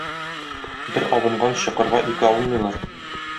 Бер абынган чокырга ике абынмыйлар.